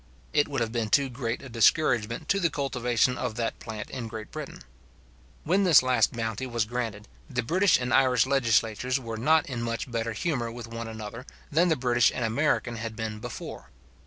It would have been too great a discouragement to the cultivation of that plant in Great Britain. When this last bounty was granted, the British and Irish legislatures were not in much better humour with one another, than the British and American had been before.